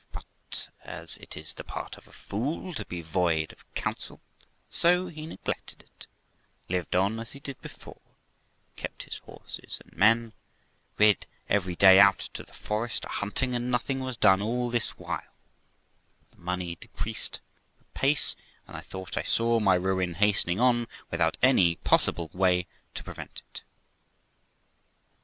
But, as it is the part of a fool to be void of counsel, so he neglected it, lived on as he did before, kept his horses and men, rid every day out to the forest a hunting, and nothing was done all this while; but the money decreased apace, and I thought I saw my ruin hastening on without any possible way to prevent it.